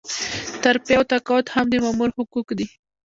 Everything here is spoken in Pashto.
ترفيع او تقاعد هم د مامور حقوق دي.